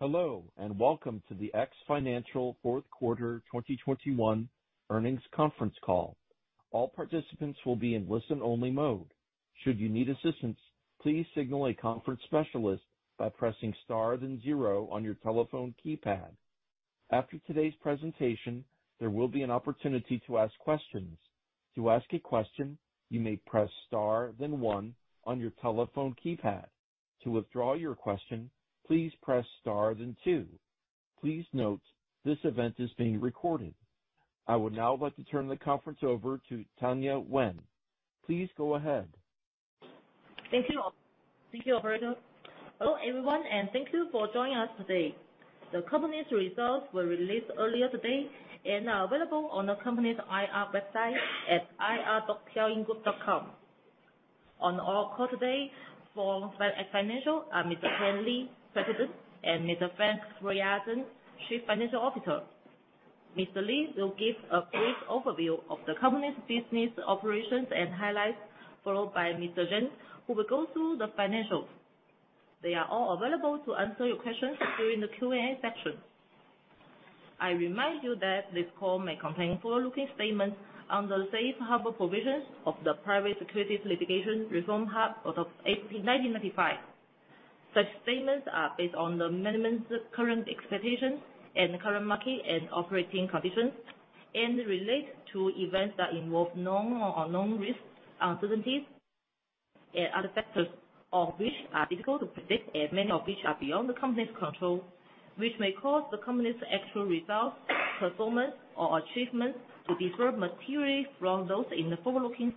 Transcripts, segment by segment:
Hello, and welcome to the X Financial Fourth Quarter 2021 Earnings Conference Call. All participants will be in listen-only mode. Should you need assistance, please signal a conference specialist by pressing star then zero on your telephone keypad. After today's presentation, there will be an opportunity to ask questions. To ask a question, you may press star then one on your telephone keypad. To withdraw your question, please press star then two. Please note this event is being recorded. I would now like to turn the conference over to Tanya Wen. Please go ahead. Thank you. Thank you, operator. Hello, everyone, and thank you for joining us today. The company's results were released earlier today and are available on the company's IR website at ir.xiaoyinggroup.com. On our call today for X Financial are Mr. Kan Li, President, and Mr. Frank Fuya Zheng, Chief Financial Officer. Mr. Li will give a brief overview of the company's business operations and highlights, followed by Mr. Zheng, who will go through the financials. They are all available to answer your questions during the Q&A section. I remind you that this call may contain forward-looking statements on the safe harbor provisions of the Private Securities Litigation Reform Act of 1995. Such statements are based on the management's current expectations and current market and operating conditions and relate to events that involve known or unknown risks, uncertainties, and other factors of which are difficult to predict and many of which are beyond the company's control, which may cause the company's actual results, performance, or achievements to differ materially from those in the forward-looking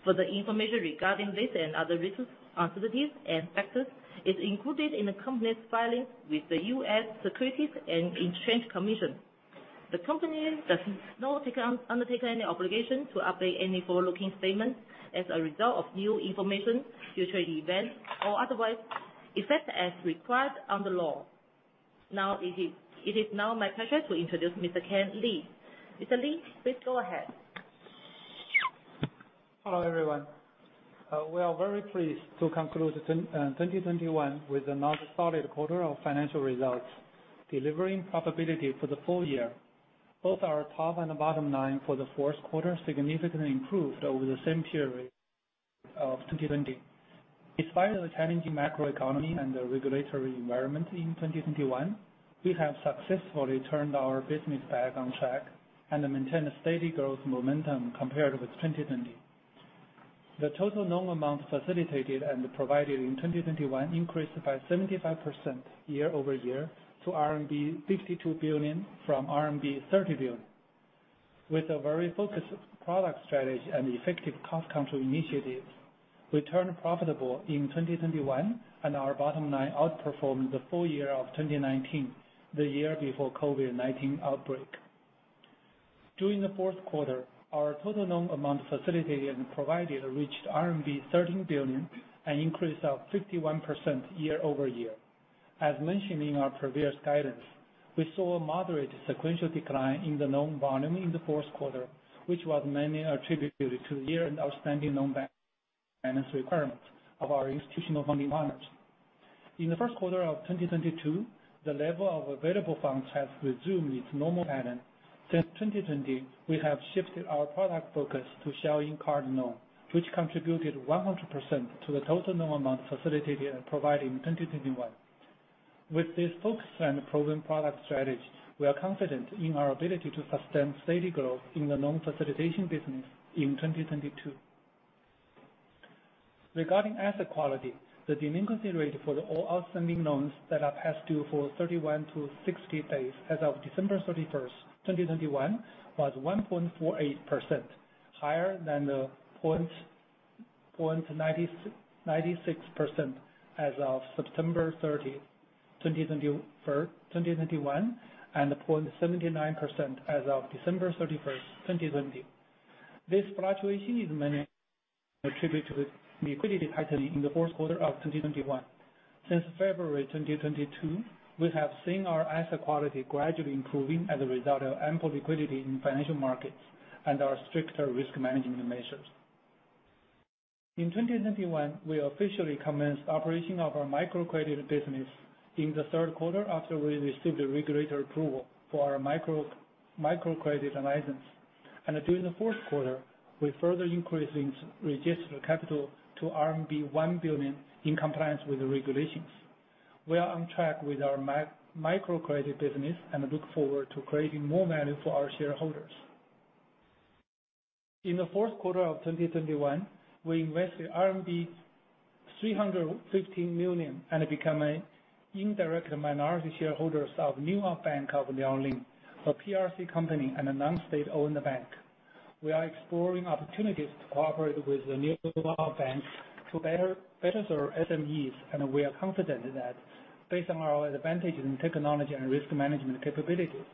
statements. Further information regarding this and other risks, uncertainties, and factors is included in the company's filings with the U.S. Securities and Exchange Commission. The company does not undertake any obligation to update any forward-looking statements as a result of new information, future events, or otherwise, except as required under law. Now, it is my pleasure to introduce Mr. Kan Li. Mr. Li, please go ahead. Hello, everyone. We are very pleased to conclude 2021 with another solid quarter of financial results, delivering profitability for the full year. Both our top and bottom line for the fourth quarter significantly improved over the same period of 2020. Despite the challenging macroeconomy and the regulatory environment in 2021, we have successfully turned our business back on track and maintained a steady growth momentum compared with 2020. The total loan amount facilitated and provided in 2021 increased by 75% year-over-year to RMB 52 billion from RMB 30 billion. With a very focused product strategy and effective cost control initiatives, we turned profitable in 2021, and our bottom line outperformed the full year of 2019, the year before COVID-19 outbreak. During the fourth quarter, our total loan amount facilitated and provided reached RMB 13 billion, an increase of 51% year-over-year. As mentioned in our previous guidance, we saw a moderate sequential decline in the loan volume in the fourth quarter, which was mainly attributed to the year-end outstanding loan balance requirements of our institutional funding partners. In the first quarter of 2022, the level of available funds has resumed its normal pattern. Since 2020, we have shifted our product focus to Xiaoying Card Loan, which contributed 100% to the total loan amount facilitated and provided in 2021. With this focus on the proven product strategy, we are confident in our ability to sustain steady growth in the loan facilitation business in 2022. Regarding asset quality, the delinquency rate for all outstanding loans that are past due for 31-60 days as of December 31, 2021, was 1.48%, higher than the 0.96% as of September 30, 2021, and 0.79% as of December 31, 2020. This fluctuation is mainly attributed to the liquidity tightening in the fourth quarter of 2021. Since February 2022, we have seen our asset quality gradually improving as a result of ample liquidity in financial markets and our stricter risk management measures. In 2021, we officially commenced operation of our microcredit business in the third quarter after we received the regulatory approval for our microcredit license. During the fourth quarter, we're further increasing registered capital to RMB 1 billion in compliance with the regulations. We are on track with our microcredit business and look forward to creating more value for our shareholders. In the fourth quarter of 2021, we invested 315 million and become an indirect minority shareholders of Newup Bank of Liaoning, a PRC company and a non-state-owned bank. We are exploring opportunities to cooperate with the Newup Bank to better serve SMEs, and we are confident that based on our advantage in technology and risk management capabilities,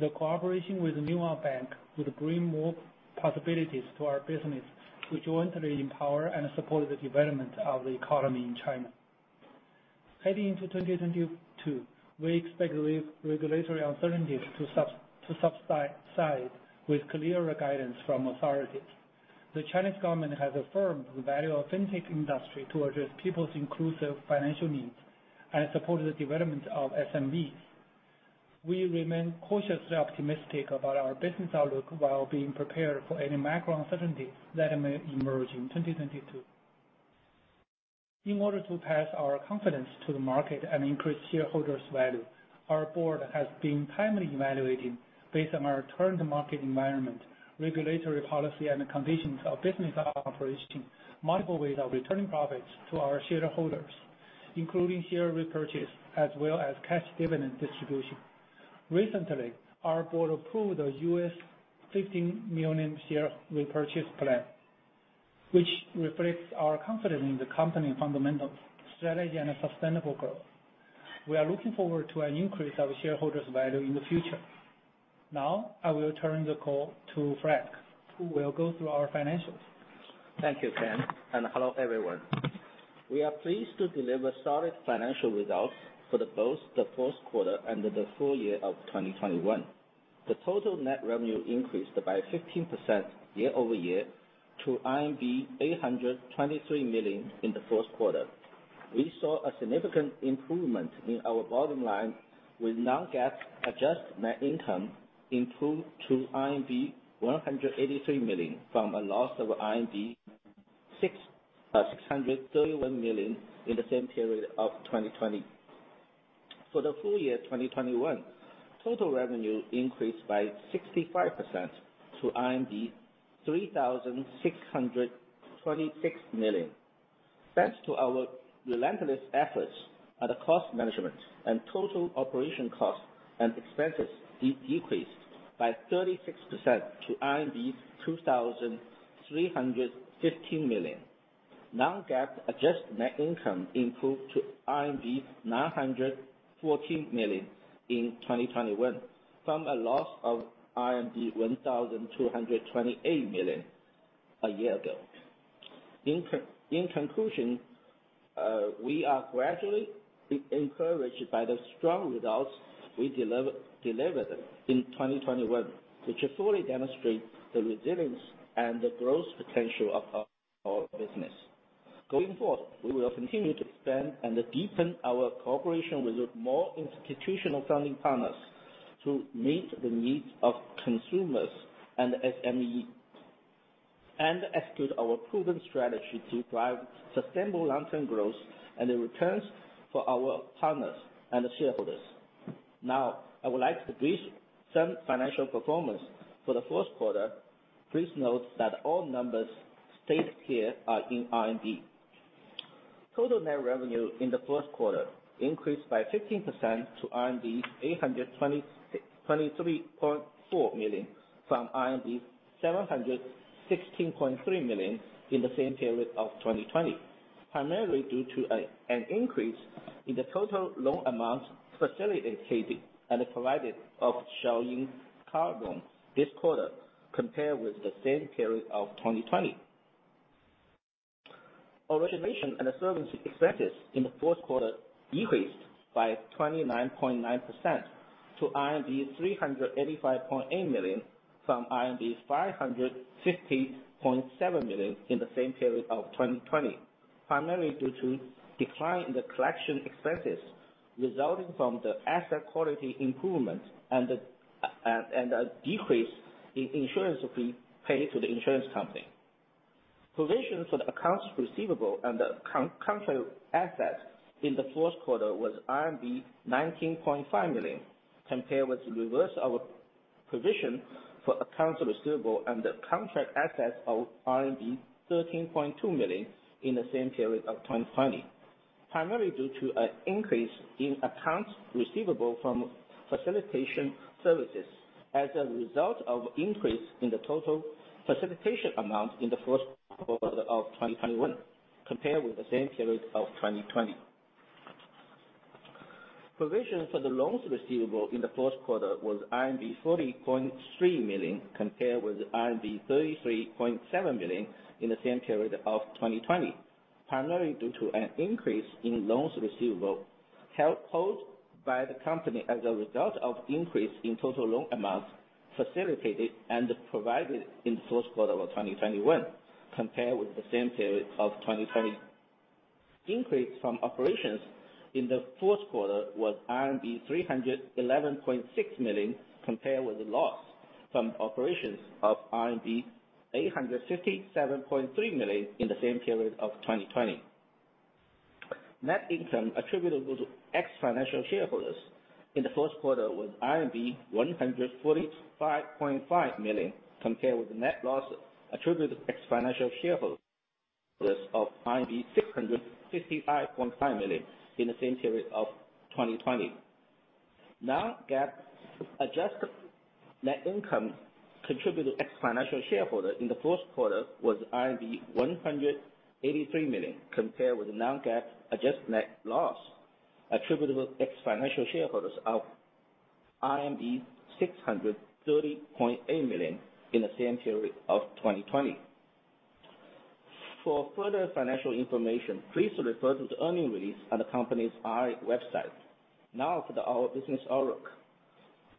the cooperation with Newup Bank would bring more possibilities to our business to jointly empower and support the development of the economy in China. Heading into 2022, we expect the regulatory uncertainties to subside with clearer guidance from authorities. The Chinese government has affirmed the value of the fintech industry to address people's inclusive financial needs and support the development of SMBs. We remain cautiously optimistic about our business outlook while being prepared for any macro uncertainty that may emerge in 2022. In order to pass our confidence to the market and increase shareholders value, our board has been timely evaluating based on our current market environment, regulatory policy, and conditions of business operation, multiple ways of returning profits to our shareholders, including share repurchase as well as cash dividend distribution. Recently, our board approved a $15 million share repurchase plan, which reflects our confidence in the company fundamentals, strategy, and a sustainable growth. We are looking forward to an increase of shareholders value in the future. Now, I will turn the call to Frank, who will go through our financials. Thank you, Kan, and hello, everyone. We are pleased to deliver solid financial results for both the first quarter and the full year of 2021. The total net revenue increased by 15% year-over-year to RMB 823 million in the first quarter. We saw a significant improvement in our bottom line with non-GAAP adjusted net income improved to 183 million from a loss of 631 million in the same period of 2020. For the full year 2021, total revenue increased by 65% to 3,626 million. Thanks to our relentless efforts at the cost management and total operating costs and expenses decreased by 36% to RMB 2,315 million. Non-GAAP adjusted net income improved to RMB 914 million in 2021 from a loss of RMB 1,228 million a year ago. In conclusion, we are greatly encouraged by the strong results we delivered in 2021, which fully demonstrate the resilience and the growth potential of our business. Going forward, we will continue to expand and deepen our cooperation with more institutional funding partners to meet the needs of consumers and SME, and execute our proven strategy to drive sustainable long-term growth and the returns for our partners and shareholders. Now, I would like to brief some financial performance for the first quarter. Please note that all numbers stated here are in RMB. Total net revenue in the first quarter increased by 15% to RMB 823.4 million from RMB 716.3 million in the same period of 2020, primarily due to an increase in the total loan amount facilitated and provided of Xiaoying Card Loan this quarter compared with the same period of 2020. Origination and servicing expenses in the fourth quarter decreased by 29.9% to RMB 385.8 million from RMB 550.7 million in the same period of 2020, primarily due to decline in the collection expenses resulting from the asset quality improvement and a decrease in insurance fee paid to the insurance company. Provision for the accounts receivable and the contract assets in the fourth quarter was RMB 19.5 million, compared with reversal of provision for accounts receivable and the contract assets of RMB 13.2 million in the same period of 2020, primarily due to an increase in accounts receivable from facilitation services as a result of increase in the total facilitation amount in the first quarter of 2021 compared with the same period of 2020. Provision for the loans receivable in the first quarter was RMB 40.3 million, compared with RMB 33.7 million in the same period of 2020, primarily due to an increase in loans receivable held by the company as a result of increase in total loan amounts facilitated and provided in the first quarter of 2021 compared with the same period of 2020. Increase from operations in the fourth quarter was RMB 311.6 million, compared with the loss from operations of RMB 857.3 million in the same period of 2020. Net income attributable to X Financial shareholders in the first quarter was RMB 145.5 million, compared with the net loss attributable to X Financial shareholders of RMB 655.5 million in the same period of 2020. Non-GAAP adjusted net income attributable to X Financial shareholder in the first quarter was RMB 183 million, compared with the non-GAAP adjusted net loss attributable to X Financial shareholders of 630.8 million in the same period of 2020. For further financial information, please refer to the earnings release on the company's IR website. Now for our business outlook.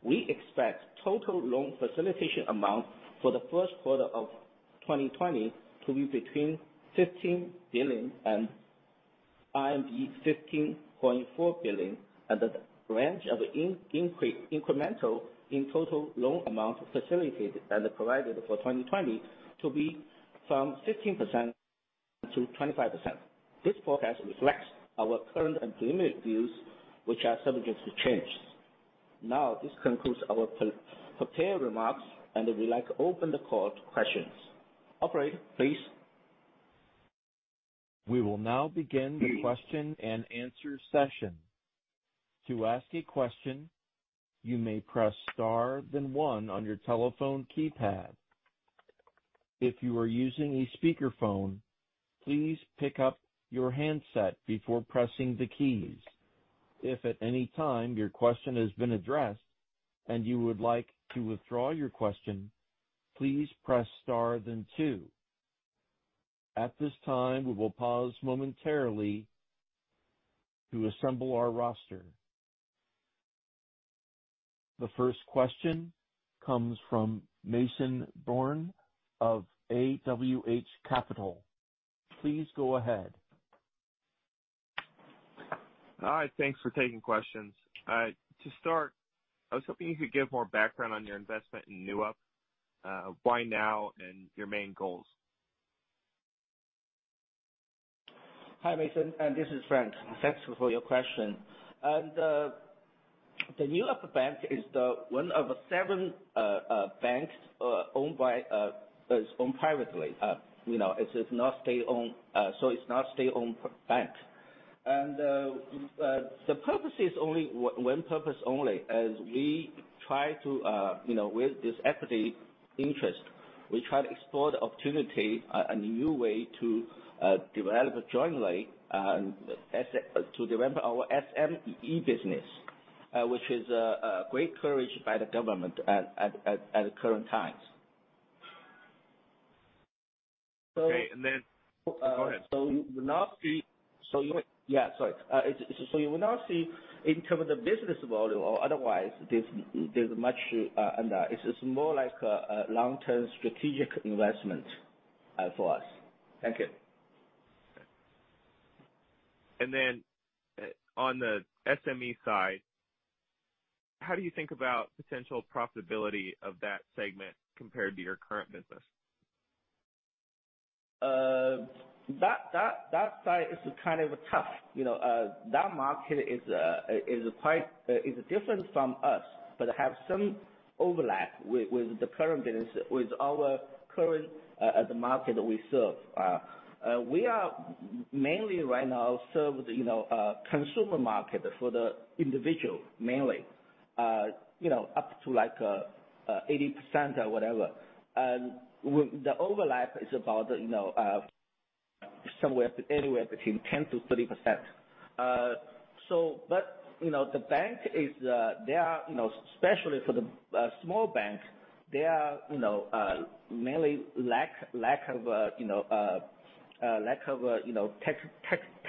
We expect total loan facilitation amount for the first quarter of 2020 to be between 15 billion and 15.4 billion, and the range of incremental in total loan amount facilitated and provided for 2020 to be from 15% to 25%. This forecast reflects our current and preliminary views, which are subject to change. Now, this concludes our pre-prepared remarks, and we'd like to open the call to questions. Operator, please. We will now begin the Q&A session. To ask a question, you may press one then one on your telephone keypad. If you are using a speakerphone, please pick up your handset before pressing the keys. If at any time your question has been addressed and you would like to withdraw your question, please press star then two. At this time, we will pause momentarily to assemble our roster. The first question comes from Mason Bourne of AWH Capital. Please go ahead. All right. Thanks for taking questions. To start, I was hoping you could give more background on your investment in Newup Bank, why now, and your main goals. Hi, Mason. This is Frank. Thanks for your question. The Newup Bank is one of seven banks owned privately. You know, it is not state-owned, so it's not state-owned bank. The purpose is only one purpose only, as we try to, you know, with this equity interest, we try to explore the opportunity, a new way to develop jointly to develop our SME business, which is greatly encouraged by the government at the current times. Okay. Go ahead. You will not see in terms of business value or otherwise, there's not much, and it's more like a long-term strategic investment for us. Thank you. On the SME side, how do you think about potential profitability of that segment compared to your current business? That side is kind of tough. You know, that market is quite different from us, but have some overlap with the current business, with our current the market we serve. We mainly serve right now, you know, consumer market for the individual, mainly up to, like, 80% or whatever. The overlap is about, you know, somewhere, anywhere between 10%-30%. But, you know, the bank is, they are, you know, especially for the small banks, they mainly lack of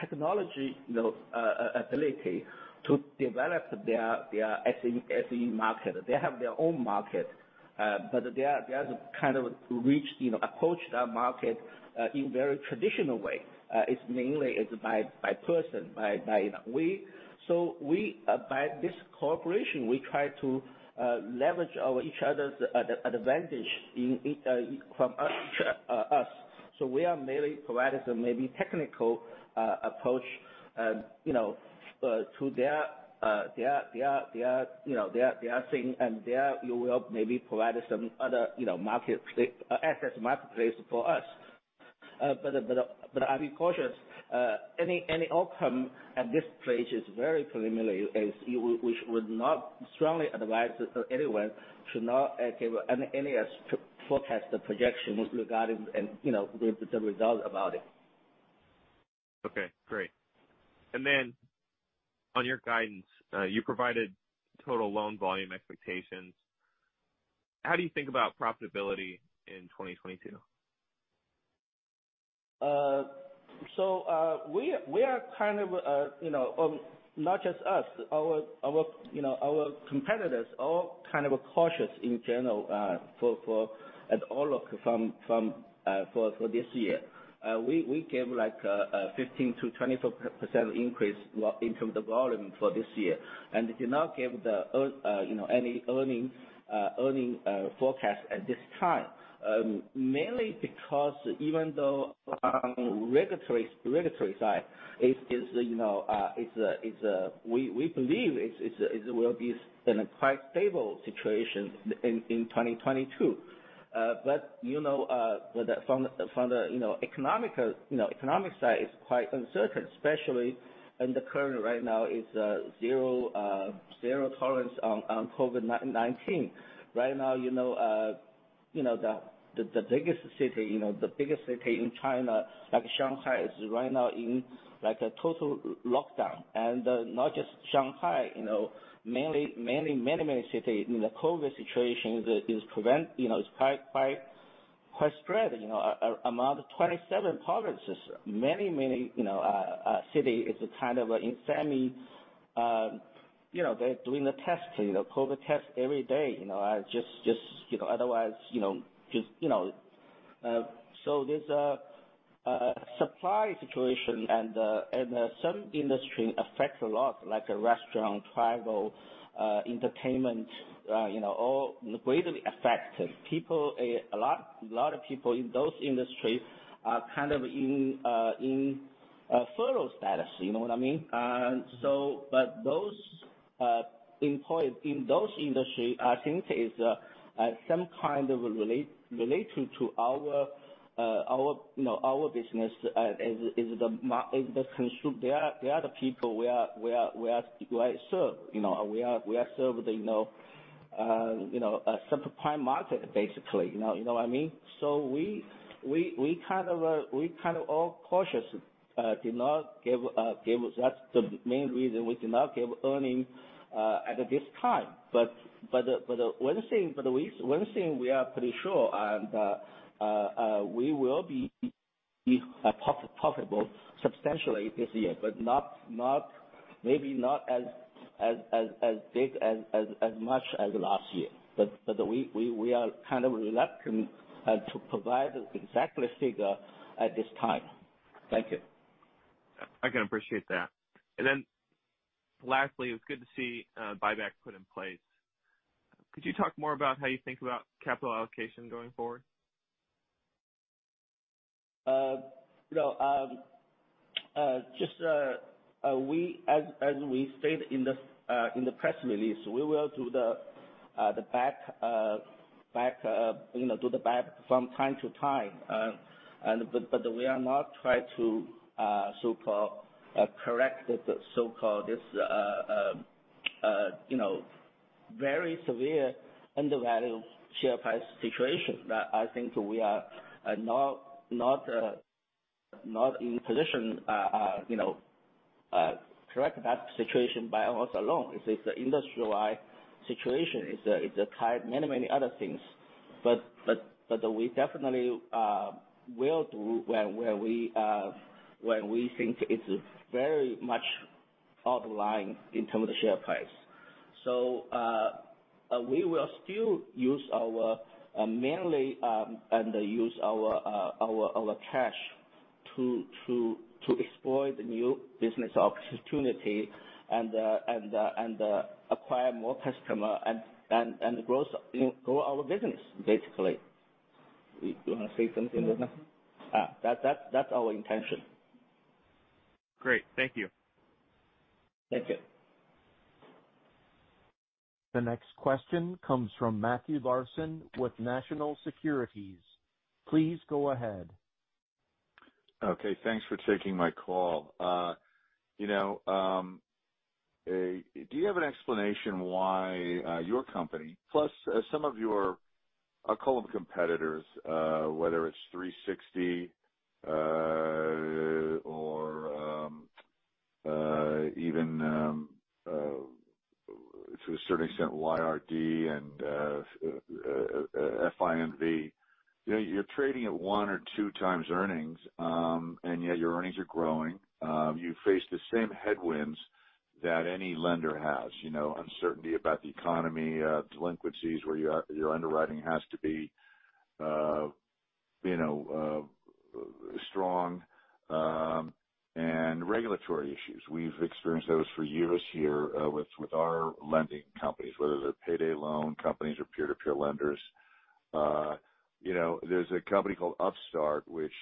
technology, you know, ability to develop their SME market. They have their own market, but they are kind of reaching that market, you know, in a very traditional way. It's mainly by person, you know. By this cooperation, we try to leverage each other's advantage from us. We are mainly providing some maybe technical approach, you know, to their thing, and their Newup maybe provide some other, you know, market access to marketplace for us. But I'll be cautious. Any outcome at this stage is very preliminary, as we would not strongly advise anyone should not give any forecast or projection regarding, you know, the result about it. Okay. Great. On your guidance, you provided total loan volume expectations. How do you think about profitability in 2022? We are kind of, you know, not just us, our competitors all kind of cautious in general for the outlook for this year. We gave, like, a 15%-24% increase in terms of volume for this year, and did not give, you know, any earnings forecast at this time, mainly because even though from the regulatory side it's, you know, We believe it will be in a quite stable situation in 2022. You know, from the economic side is quite uncertain, especially in the current right now is zero tolerance on COVID-19. Right now, you know, the biggest city in China, like Shanghai, is right now in a total lockdown. Not just Shanghai, you know, many cities in the COVID situation is prevalent, you know, is quite spread, you know, among the 27 provinces. Many cities are kind of in semi, you know, they're doing the testing, the COVID test every day, you know. Just otherwise just, you know. So there's a supply situation and some industries affect a lot like restaurant, travel, entertainment, you know, all greatly affected. People, a lot of people in those industries are kind of in furlough status. You know what I mean? Those employees in those industry, I think is some kind of related to our you know our business, they are the people we serve, you know. We serve you know a subprime market, basically, you know. You know what I mean? We kind of all cautious, did not give. That's the main reason we did not give earning at this time. One thing we are pretty sure and we will be profitable substantially this year, but not maybe not as big as much as last year. We are kind of reluctant to provide the exact figure at this time. Thank you. I can appreciate that. Lastly, it's good to see, buyback put in place. Could you talk more about how you think about capital allocation going forward? You know, just as we stated in the press release, we will do the buyback from time to time. But we are not trying to so-called correct the so-called very severe undervalued share price situation. That I think we are not in a position to correct that situation by us alone. It's an industry-wide situation. It's many, many other things. But we definitely will do when we think it's very much out of line in terms of share price. We will still use our mainly and use our cash to explore the new business opportunity and acquire more customer and growth, you know, grow our business, basically. You wanna say something, Leonard? That's our intention. Great. Thank you. Thank you. The next question comes from Matthew Larson with National Securities. Please go ahead. Okay. Thanks for taking my call. You know, do you have an explanation why your company plus some of your, I'll call them competitors, whether it's 360 or even to a certain extent, YRD and FINV. You know, you're trading at 1x or 2x earnings, and yet your earnings are growing. You face the same headwinds that any lender has, you know, uncertainty about the economy, delinquencies, where your underwriting has to be strong, and regulatory issues. We've experienced those for years here with our lending companies, whether they're payday loan companies or peer-to-peer lenders. You know, there's a company called Upstart which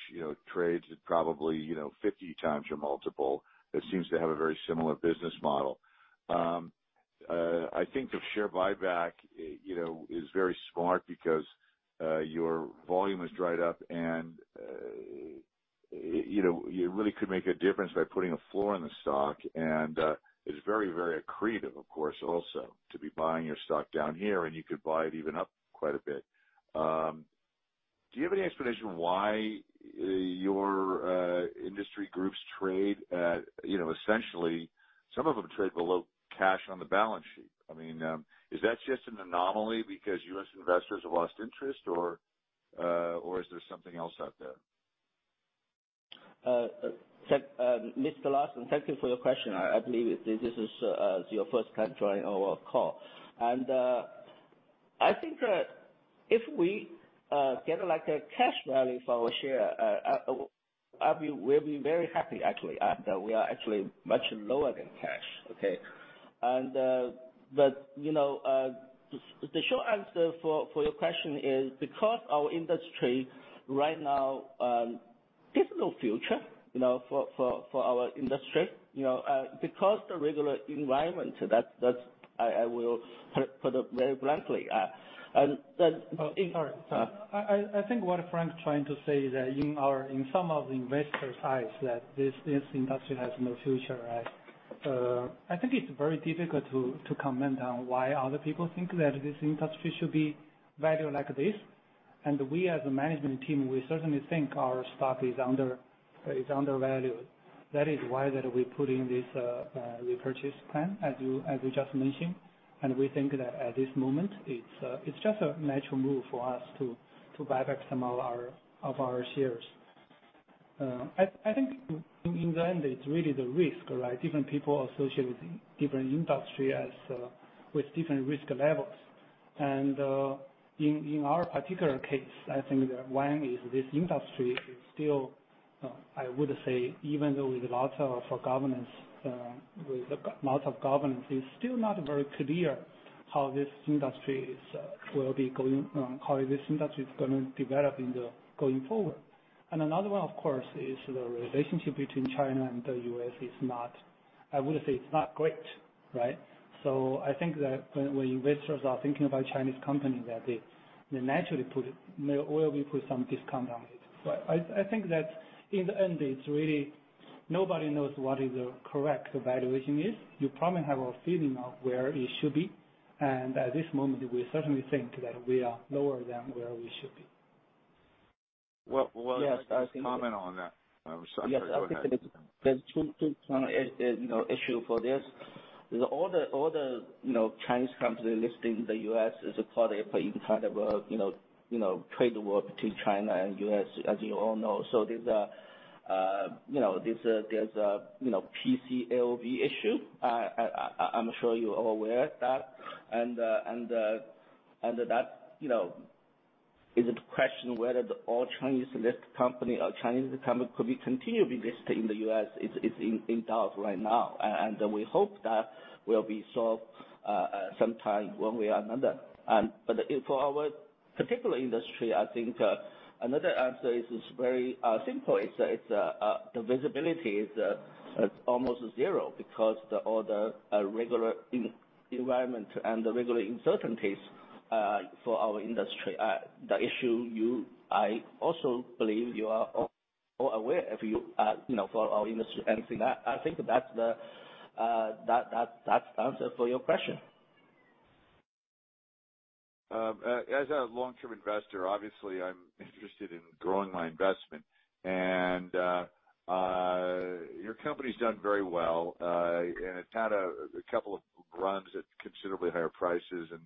trades at probably 50x your multiple. It seems to have a very similar business model. I think the share buyback, you know, is very smart because your volume has dried up and you know, you really could make a difference by putting a floor in the stock and it's very, very accretive, of course, also to be buying your stock down here, and you could buy it even up quite a bit. Do you have any explanation why your industry groups trade at, you know, essentially some of them trade below cash on the balance sheet? I mean, is that just an anomaly because U.S. investors have lost interest or or is there something else out there? Mr. Larson, thank you for your question. I believe this is your first time joining our call. I think that if we get like a cash value for our share, we'll be very happy actually, we are actually much lower than cash, okay? But, you know, the short answer for your question is because our industry right now difficult future, you know, for our industry, you know, because the regulatory environment that's, I will put it very bluntly. Oh, sorry. I think what Frank trying to say is that in some of the investor sides that this industry has no future, right? I think it's very difficult to comment on why other people think that this industry should be valued like this. We as a management team, we certainly think our stock is undervalued. That is why we put in this repurchase plan, as you just mentioned. We think that at this moment it's just a natural move for us to buy back some of our shares. I think in the end, it's really the risk, right? Different people associated different industry as with different risk levels. In our particular case, I think that one is this industry is still. I would say, even though with lots of governance, it's still not very clear how this industry will be going, how this industry is gonna develop going forward. Another one, of course, is the relationship between China and the U.S. is not. I wouldn't say it's not great, right? I think that when investors are thinking about Chinese companies, that they naturally will put some discount on it. I think that in the end, it's really nobody knows what the correct valuation is. You probably have a feeling of where it should be, and at this moment we certainly think that we are lower than where we should be. Well, well, I'd like to just comment on that. I'm sorry. Go ahead. Yes. I think there's two issues for this. With all the Chinese companies listing in the U.S. caught up in a trade war between China and the U.S., as you all know. There's a PCAOB issue. I'm sure you're all aware of that. That is a question whether all Chinese-listed companies or Chinese companies could continually be listed in the U.S. is in doubt right now. We hope that will be solved sometime one way or another. But for our particular industry, I think another answer is very simple. The visibility is almost zero because the other regular environment and the regular uncertainties for our industry. I also believe you are all aware, you know, for our industry. I think that's the answer for your question. As a long-term investor, obviously I'm interested in growing my investment. Your company's done very well. It's had a couple of runs at considerably higher prices and,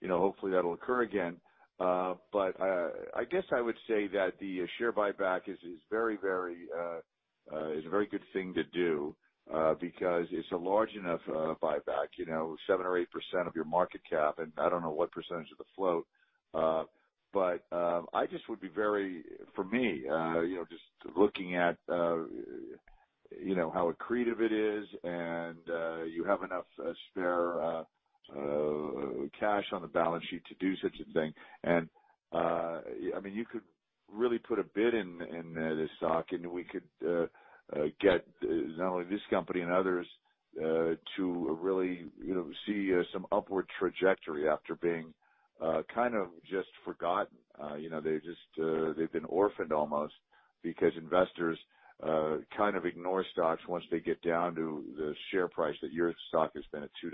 you know, hopefully that'll occur again. I guess I would say that the share buyback is a very good thing to do because it's a large enough buyback, you know, 7% or 8% of your market cap, and I don't know what percentage of the float, but I just would be very, for me, you know, just looking at, you know, how accretive it is and you have enough spare cash on the balance sheet to do such a thing. I mean, you could really put a bid in this stock and we could get not only this company and others to really, you know, see some upward trajectory after being kind of just forgotten. You know, they just, they've been orphaned almost because investors kind of ignore stocks once they get down to the share price that your stock has been at $2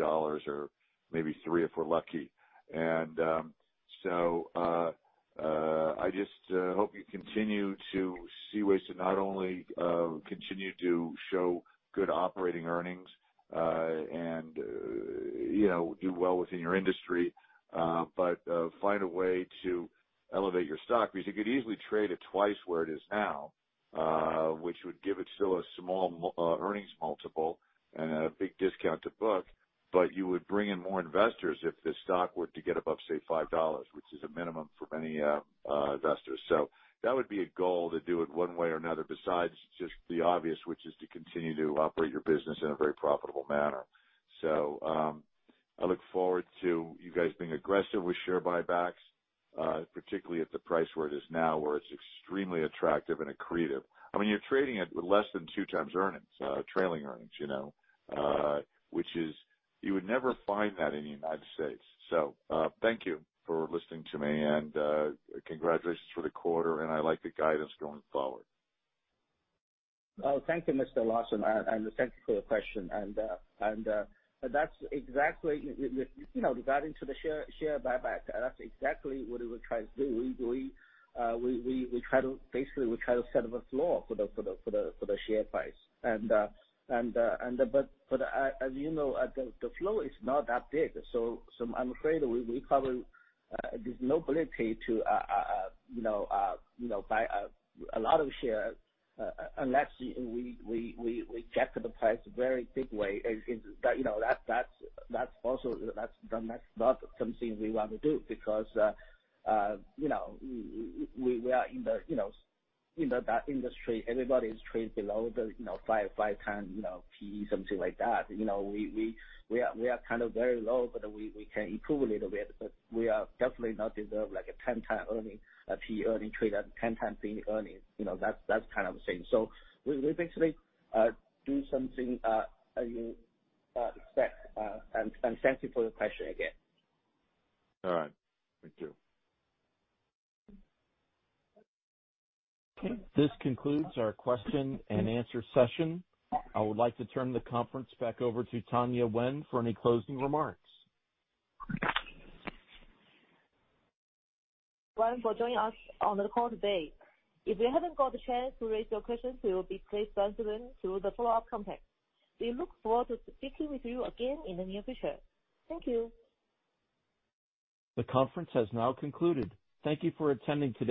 or maybe $3 if we're lucky. I just hope you continue to see ways to not only continue to show good operating earnings, and, you know, do well within your industry, but find a way to elevate your stock because you could easily trade it twice where it is now, which would give it still a small earnings multiple and a big discount to book. You would bring in more investors if the stock were to get above, say $5, which is a minimum for many investors. That would be a goal to do it one way or another besides just the obvious, which is to continue to operate your business in a very profitable manner. I look forward to you guys being aggressive with share buybacks, particularly at the price where it is now, where it's extremely attractive and accretive. I mean, you're trading at less than 2x earnings, trailing earnings, you know, which is. You would never find that in the United States. Thank you for listening to me and, congratulations for the quarter and I like the guidance going forward. Oh, thank you, Mr. Larson, and thank you for your question. That's exactly you know, regarding to the share buyback, that's exactly what we try to do. We try to basically set the floor for the share price. But as you know, the floor is not that big. I'm afraid we probably there's no ability to you know buy a lot of shares unless we get the price very big way. You know, that's also not something we want to do because, you know, we are in that industry, everybody is trading below the 5 times PE, something like that. You know, we are kind of very low, but we can improve a little bit, but we are definitely not deserve like a 10 times earning, a PE earning trade at 10 times PE earning. You know, that's kind of the same. We basically do something as you expect. Thank you for your question again. All right. Thank you. Okay. This concludes our Q&A session. I would like to turn the conference back over to Tanya Wen for any closing remarks. Thank you for joining us on the call today. If you haven't got a chance to raise your questions, we will be pleased to answer them through the follow-up contact. We look forward to speaking with you again in the near future. Thank you. The conference has now concluded. Thank you for attending today.